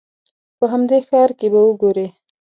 په همدې ښار کې به وګورې.